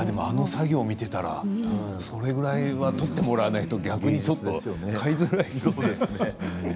あの作業を見たらそれぐらい取ってもらわないと逆に買いづらいよね。